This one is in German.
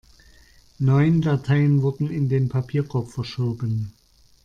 Neun Dateien wurden in den Papierkorb verschoben.